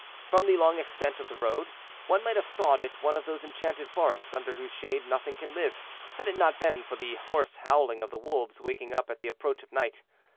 From the long extent of the road, one might have thought it one of those enchanted forests, under whose shade nothing can live, had it not been for the hoarse howling of the wolves waking up at the approach of night.